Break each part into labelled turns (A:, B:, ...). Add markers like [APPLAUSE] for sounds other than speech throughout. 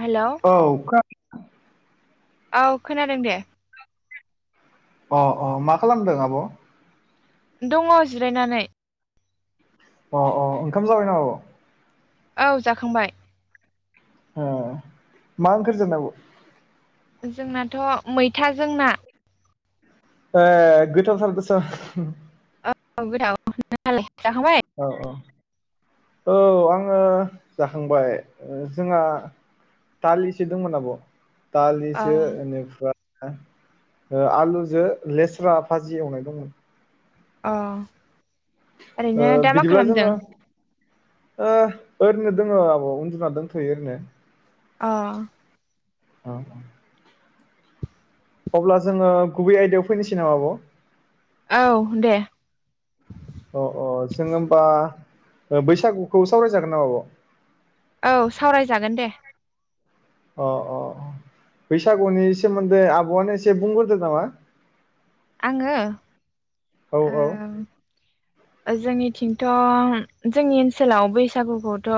A: Hello
B: [INAUDIBLE]
A: औ खोनादों दे
B: अ अ मा खालामदों आब'
A: दङ जिरायनानै
B: अ औ ओंखाम जाबाय नामा आब'
A: औ जाखांबाय
B: ओ मा ओंख्रि जानाय आब
A: जोंनाथ' मैथाजोंना
B: ए गोथाव दस
A: औ गोथाव [INAUDIBLE]
B: औ औ औ आंङो जाखांबाय जोंहा दालिसो दंमोन आब'
A: अ
B: दालिसो बेनिफ्राय आलुजों लेस्रा भाजि एवनाय दंमोन
A: अ
B: ओ
A: ओरैनो दा मा
B: बिदिब्ला
A: खालामदों
B: जोङो ओ ओरैनो दङ आब' उन्दुना दंथ'यो ओरैनो
A: अ
B: औ अब्ला जोङो गुबै आयदायाव फैनोसै नामा आब'
A: औ दे
B: अ अ जों होबा बैसागुखौ सावरायजागोन नामा आब'
A: औ सावरायजागोन दे
B: अ अ बैसागुनि सोमोन्दै आब'आनो एसे बुंग्रोदो नामा
A: आंङो
B: औ औ
A: औ जोंनिथिंथ' जोंनि ओनसोलाव बैसागुखौथ'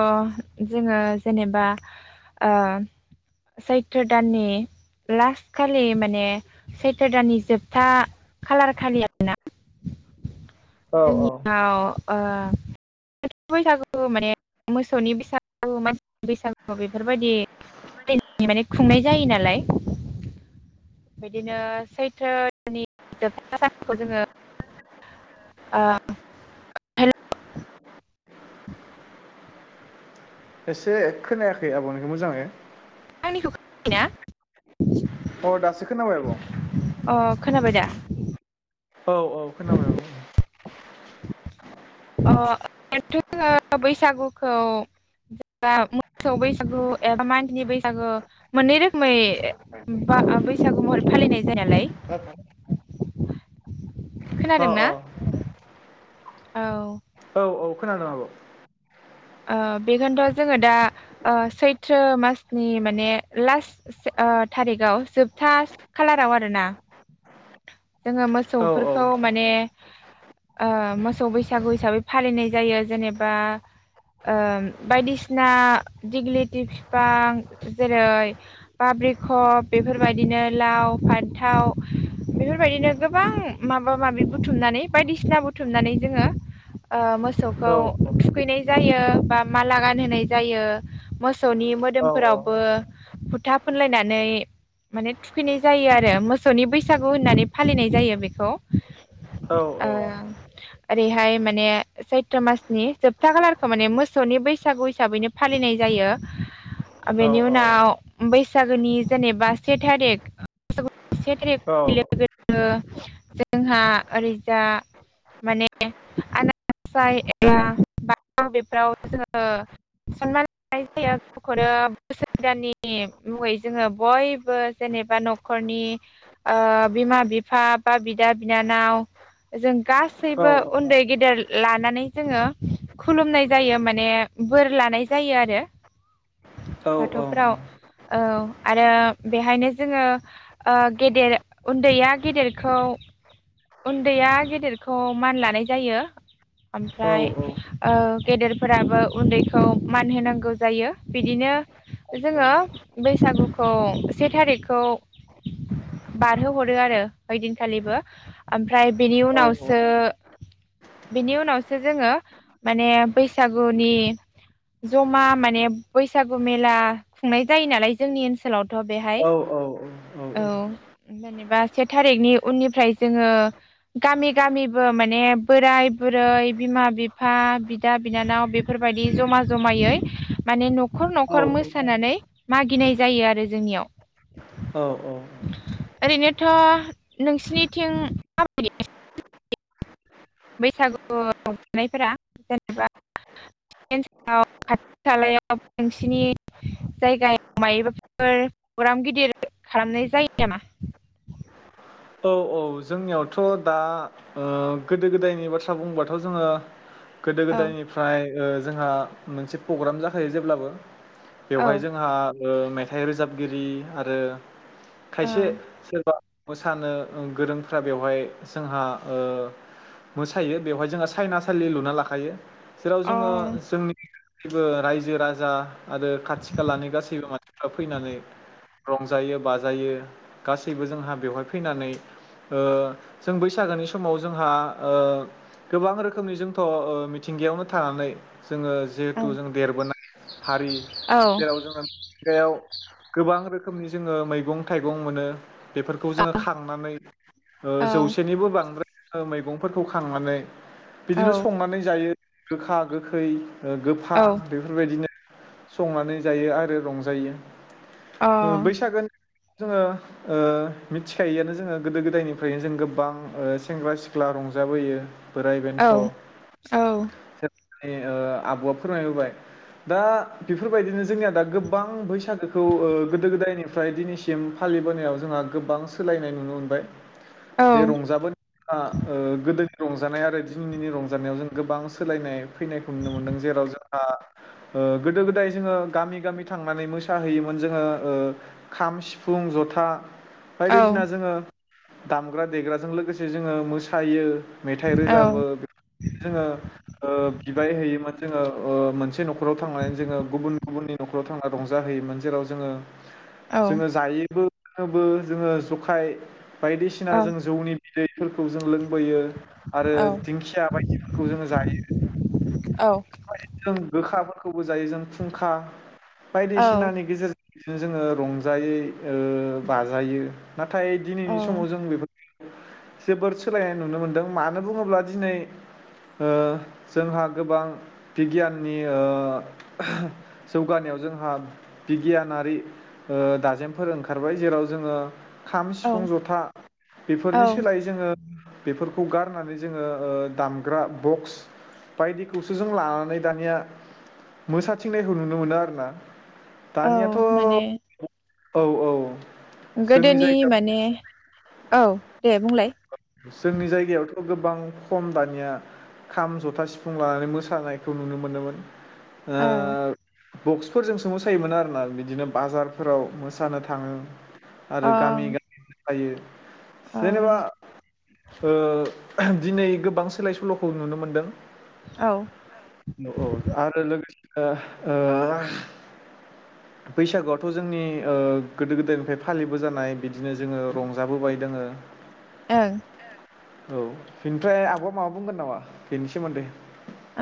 A: जोङो जेनेबा ओ सैत्र दाननि लास्ट खालि माने सैथो दाननि जोबथा खालार खालि आरो ना
B: औ
A: [INAUDIBLE]
B: औ
A: जोंनियाव ओ बैसागु माने मोसौनि बैसागु मानसि बैसागु बेफोरबायदि [UNINTELLIGIBLE] माने खुंनाय जायो नालाय बिदिनो सैथ्रोनि जोबथा सानखौ जोङो ओ [UNINTELLIGIBLE] [INAUDIBLE]
B: एसे खोनायाखै आब'निखौ मोजाङै
A: [UNINTELLIGIBLE] अ
B: अ दासो खोनाबाय आब'
A: खोनाबाय दा
B: औ औ खोनाबाय आब' ओं
A: [UNINTELLIGIBLE] अ बैसागुखौ मोसौ बैसागु एबा मानसिनि बैसागु मोननै रोखोमै बा बैसागु महरै फालिनाय जायो। नालाय
B: [UNINTELLIGIBLE] अ
A: खोनादोंना
B: अ
A: औ
B: औ औ खोनादों आब'
A: ओ बेखौनोथ' जोङो दा ओ सैथ्रो मासनि माने लास्ट थारिखाव जोबथा खालाराव आरोना जोङो
B: औ औ
A: मोसौफोरखौ माने ओ मोसौ बैसागु हिसाबै फालिनाय जायो जेनेबा ओ बायदिसिना दिग्लिथि फिफां जेरै बाब्रिखब बेफोरबायदिनो लाव फानथाव बेफोरबायदिनो गोबां माबा माबि बुथुमनानै बायदिसिना बुथुमनानै जोङो ओ मोसौखौ
B: औ
A: थुखैनाय जायो बा माला गानहोनाय जायो मोसौनि
B: औ
A: मोदोमफोरावबो फुथा फुनलायनानै माने थुखैनाय जायो आरो मोसौनि बै सागु होननानै फालिनाय जायो बेखौ
B: औ
A: ओ ओरैहाय माने सैत्रो मासनि जोबथा खालारखौ माने मोसौनि बैसागु हिसाबैनो फालिनाय जायो
B: औ
A: बेनि उनाव बैसागोनि जेनेबा से थारिख से थारि [UNINTELLIGIBLE]
B: औ औ
A: जोंहा ओरैजा माने आनान ग'साय एबा बेफोराव जोङो सनमान लानाय जायो गावखौनो बोसोर गोदाननि मुङै जोङो बयबो जेनेबा न'खरनि ओ बिमा बिफा बा बिदा बिनानाव जों गासैबो उन्दै गेदेर लानानै जोङो खुलुमनाय जायो माने बोर लानाय जायो आरो बाथौफ्राव औ आरो बेहायनो जोङो ओ गेदेर उन्दैया गेदेरखौ उन्दैया गेदेरखौ मान लानाय जायो। ओमफ्राय ओ गेदेरफोराबो उन्दैखौ मान होनांगौ जायो। बिदिनो जोङो बैसागुखौ से थारिखखौ बारहोहरो आरो ओइदिनखालिबो ओमफ्राय बेनि उनावसो बेनि उनावसो जोङो माने बैसागुनि ज'मा माने बैसागु मेला खुंनाय जायो नालाय जोंनि ओनसोलावथ' बेहाय औ जेनेबा से थारिखनि उननिफ्राय जोङो गामि गामिबो माने बोराय बुरै बिमा बिफा बिदा बिनानाव बेफोरबायदि जमा जमायै माने न'खर न'खर मोसानानै मागिनाय जायो आरो जोंनियाव।
B: औ औ
A: ओरैनोथ' नोंसिनिथिं [UNINTELLIGIBLE] बैसागुनायफोरा जेनेबा खाथि खालायाव नोंसिनि जायगायाव मायोबाफोर प्रग्राम गिदिर खालामनाय जायो नामा?
B: औ औ जोंनियावथ' दा ओ गोदो गोदायनि बाथ्रा बुंबाथ' जोङो गोदो
A: औ
B: गोदायनिफ्राय ओ जोंहा मोनसे प्रग्राम जाखायो जेब्लाबो बेवहाय जोंहा ओ मेथाइ रोजाबगिरि आरो
A: औ अ औ
B: खायसे सोरबा मोसानो [UNINTELLIGIBLE] गोरोंफ्रा बेवहाय जोंहा ओ मोसायो बेवहाय जोंहा साइनासालि लुना लाखायो। जेराव जोङो जोंनि [UNINTELLIGIBLE] रायजो राजा आरो खाथि खालानि गासैबो मानसिफ्रा फैनानै रंजायो बाजायो गासैबो जोंहा बेवहाय फैनानै। ओ जों बैसागोनि समाव जोंहा ओ गोबां रोखोमनि जोंथ' ओ मिथिंगायावनो थानानै जोङो जिहेथु जों देरबोनाय हारि
A: औ
B: जेराव जोङो मिथिंगायाव गोबां रोखोमनि जोङो मैगं-थाइगं मोनो। बेफोरखौ जोङो खांनानै
A: औ
B: जौसेनिबो बां बांद्राय ओ मैगंफोरखौ खांनानै बिदिनो
A: औ
B: संनानै जायो। गोखा गोखै गोफा
A: औ
B: बेफोरबायदिनो संनानै जायो आरो रंजायो।
A: अ
B: ओ बैसागो जोङो ओ मिथिखायोआनो जोङो गोदो-गोदायनिफ्रायनो जों गोबां ओ सेंग्रा-सिख्ला रंजाबोयो
A: औ
B: बोराय-बेन्थ'
A: औ
B: ए ओ आबौआ फोरमायबोबाय। दा बेफोरबायदिनो जोंनिया दा गोबां बैसागोखौ ओ गोदो-गोदायनिफ्राय दिनैसिम फालिबोनायाव जोंहा गोबां सोलायनाय नुनो मोनबाय।
A: औ
B: बे रंजाबोनायफ्रा ओ गोदोनि रंजानाय आरो दिनै दिनि रंजानायाव जों गोबां सोलायनाय फैनायखौ नुनो मोनदों जेराव जों हा ओ गोदो-गोदाय जोङो गामि गामि थांनानै मोसाहैयोमोन जोङो ओ खाम, सिफुं, जथा
A: औ
B: बायदिसिना जोङो दामग्रा-देग्राजों लोगोसे जोङो मोसायो मेथाइ रोजाबो बेफोरनो जोङो ओ बिबाय हैयोमोन जोङो ओ मोनसे न'खराव थांनानै जोङो गुबुन गुबुननि न'खराव थांना रंजाहैयोमोन जेराव जोङो
A: औ
B: जोङो जायोबो लोङोबो जोङो जखाय बायदिसिना
A: औ
B: जों जौनि बिदैफोरखौ जों लोंबोयो आरो दिंखिया बायदिफोरखौ जोङो जायो
A: औ
B: जों गोखाफोरखौबो जायो जों फुंखा बायदिसिनानि गेजेरजों बिदिनो जोङो रंजायै ओ बाजायो नाथाय दिनैनि
A: औ
B: समाव जों बेफोर जोबोर सोलायनाय नुनो मोनदों मानो बुङोब्ला दिनै ओह जोंहा गोबां बिगियाननि ओ जौगानायाव जोंहा बिगियानारि ओ दाजेमफोर ओंखारबाय जेराव जोङो खाम
A: औ
B: सिफुं ज'था
A: औ
B: बेफोरनि सोलायै जोङो बेफोरखौ गारनानै जोङो ओ दामग्रा बक्स बायदि खौसो जों लानानै दानिया मोसाथिंनायखौ नुनो मोनो आरोना
A: औ
B: दानियाथ'
A: माने
B: औ औ जोंनि
A: गोदोनि
B: जायगायाव
A: माने औ दे बुंलाय
B: जोंनि जायगायावथ' गोबां खम दानिया खाम जथा सिफुं लानानै मोसानायखौ नुनो मोनोमोन ओ
A: औ
B: बक्सफोरजोंसो मोसायोमोन आरोना बिदिनो बाजारफोराव मोसानो थाङो आरो
A: ओं
B: गामि गामि फायो
A: औ
B: जेनेबा ओ ओहो दिनै गोबां सोलाय सोल'खौ नुनो मोनदों
A: औ
B: औ औ आरो लोगोसेनो ओ बैसागोआथ' जोंनि ओ गोदो गोदायनिफ्राय फालिबो जानाय बिदिनो जोङो रंजाबोबाय दोङो
A: ओं
B: औ बेनिफ्राय आब'आ माबा बुंगोन नामा बेनि सोमोन्दै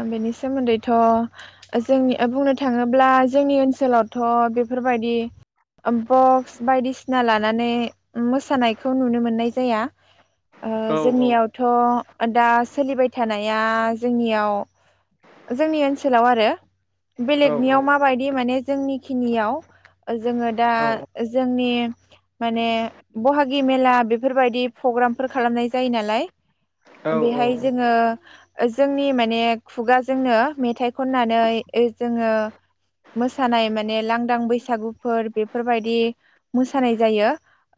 A: आं बेनि सोमोन्दैथ' जोंनि बुंनो थाङोब्ला जोंनि ओनसोलावथ' बेफोरबायदि बक्स बायदिसिना लानानै मोसानायखौ नुनो मोननाय जाया ओ
B: औ औ
A: जोंनियावथ' दा सोलिबाय थानाया जोंनियाव जोंनि ओनसोलाव आरो
B: औ
A: बेलेगनियाव माबायदि माने जोंनि खिनियाव जोङो दा
B: औ
A: जोंनि माने बहागि मेला बेफोरबायदि फग्रामफोर खालामनाय जायो नालाय
B: औ
A: बेहाय जोङो ओ जोंनि माने खुगाजोंनो मेथाइ खननानै ओइ जोङो मोसानाय माने लांदां बैसागुफोर बेफोरबायदि मोसानाय जायो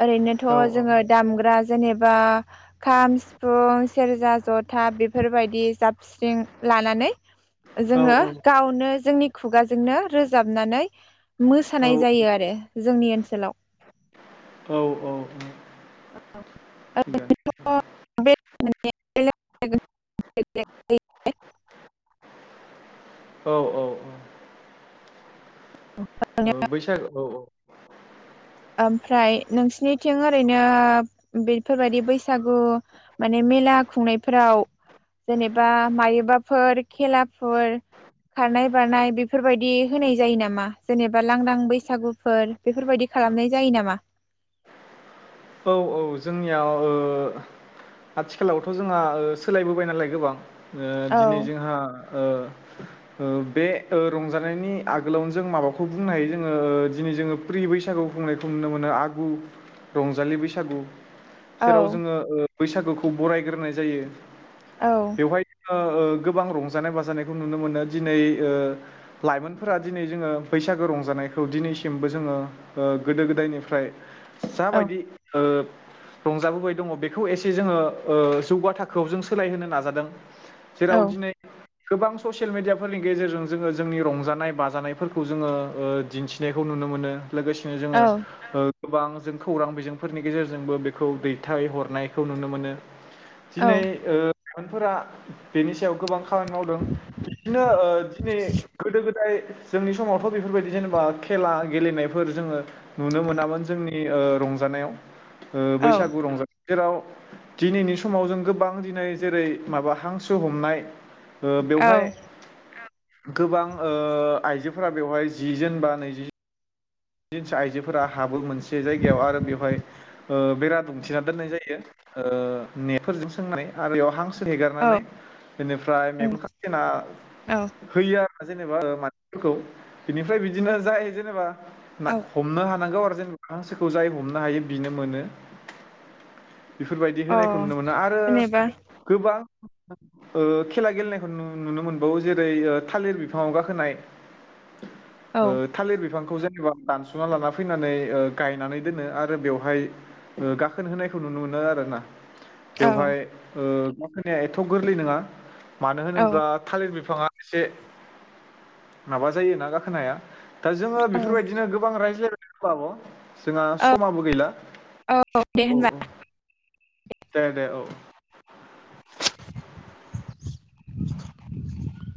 A: ओरैनोथ'
B: औ
A: जोङो दामग्रा जेनेबा बा खाम सिफुं सेरजा ज'था बेफोरबायदि जाबस्रिं लानानै
B: औ
A: जोङो गावनो जोंनि खुगाजोंनो रोजाबनानै
B: औ
A: मोसानाय जायो आरो जोंनि ओनसोलाव
B: औ औ थिगानो
A: [UNINTELLIGIBLE]
B: औ औ ओ बैसागो औ औ
A: ओमफ्राय नोंसिनिथिं ओरैनो बेफोरबायदि बैसागु माने मेला खुंनायफोराव जेनेबा मायोबाफोर खेलाफोर खारनाय बारनाय बेफोरबायदि होनाय जायो नामा जेनेबा लांदां बैसागुफोर बेफोरबायदि खालामनाय जायो नामा
B: औ औ जोंनियाव ओ आथिखालावथ' जोंहा ओ सोलायबोबाय नालाय गोबां ओ दिनै
A: औ
B: जोंहा ओ ओ बे ओ रंजानायनि आगोलावनो जों माबाखौ बुंनो हायो जोंङो ओ दिनै जोङो प्रि बैसागु खुंनायखौ नुनो मोनो आगु रंजालि बैसागु जेराव
A: औ
B: जोंङो ओ बैसागुखौ बरायग्रोनाय जायो।
A: औ
B: बेवहाय जोङो ओ गोबां रंजानाय बाजानायखौ नुनो मोनो दिनै ओ लाइमोनफोरा दिनै जोंङो बैसागो रंजानायखौ दिनैसिमबो जोंङो ओ गोदो गोदायनिफ्राय
A: औ
B: जाबायदि ओ रंजाबोबाय दंङ बेखौ एसे जोंङो ओ जौगा थाखोआव जों सोलायहोनो नाजादों।
A: औ
B: जेराव दिनै गोबां ससियेल मेडियाफोरनि गेजेरजों जोंङो जोंनि रंजानाय बाजानायफोरखौ जोंङो ओ दिन्थिनायखौ नुनो मोनो। लोगोसेनो जोंङो
A: औ
B: ओ गोबां जों खौरां बिजोंफोरनि गेजेरजोंबो बेखौ दैथायहरनायखौ नुनो मोनो।
A: औ
B: दिनै ओ लायमोनफोरा बेनि सायाव गोबां खामानि मावदों बिदिनो ओ दिनै गोदो गो फ्राय जोंनि समावथ' बेफोरबायदि जेनेबा खेला गेलेनायफोर जोंङो नुनो मोनामोन जोंनि ओ रंजानायाव ओ
A: औ
B: बैसागु रंजा जेराव दिनैनि समाव जों गोबां दिनै जेरै माबा हांसो हमनाय ओ
A: औ
B: बेवहाय औ गोबां ओ आइजो फोरा बेवहाय जिजोन बा नैजि जोनसो आइजोफोरा हाबो मोनसे जायगायाव आरो बेवहाय ओ बेरा दुमथिना दोननाय जायो ओ नेटफोरजों सोंनानै आरो बेयाव हां सो
A: औ
B: हेगारनानै बेनिफ्राय
A: ओं
B: मेगन खाथेना
A: औ
B: होयो आ जेनेबा मानसिफोरखौ बिनिफ्राय बिदिनो जाय जेनेबा ना
A: औ
B: हमनो हानांगौ आर जों हांसोखौ जाय हमनो हायो बिनो मोनो बेफोरबायदि
A: अ
B: होनायखौ नुनो मोनो आरो
A: जेनेबा
B: गोबां ओ खेला गेलेनायखौ नुनो मोनबावो जेरै थालिर बिफाङाव गाखोनाय
A: औ
B: ओ‌ थालिर बिफां खौ जेनबा दानसना लाना फैनानै ओ‌ गायनानै दोनो आरो बेवहाय ओ‌ गाखोन होनायखौ नुनो मोनो आरोना
A: औ
B: बेवहाय ओ माखोनाया एथ गोरलै नङा मानो
A: औ
B: होनोब्ला थालिर बिफाङा एसे माबा जायोना गाखोनाया? दा जोङो बेफोरबायदिनो [UNINTELLIGIBLE] ओमबा आब' जोंहा
A: औ
B: समाबो गैला
A: औ दे
B: औ
A: होनबा
B: औ दे दे औ
A: [INAUDIBLE]